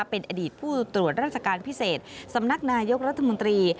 เป็นอดีตผู้ตรวจราชการพิเศษสำนักนายกรัฐมนตรี